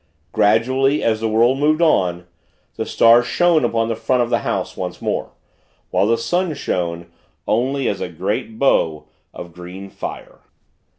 Gradually, as the world moved on, the Star shone upon the front of the house, once more; while the sun showed, only as a great bow of green fire.